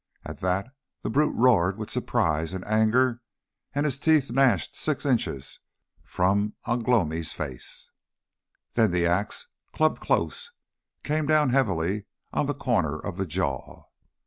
At that the brute roared with surprise and anger, and his teeth gnashed six inches from Ugh lomi's face. Then the axe, clubbed close, came down heavily on the corner of the jaw.